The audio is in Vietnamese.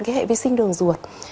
cái hệ vi sinh đường ruột